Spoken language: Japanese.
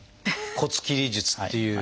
「骨切り術」っていう。